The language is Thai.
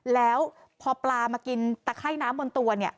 แล้วพอปลามากินตะไข้น้ำบนตัวเนี่ย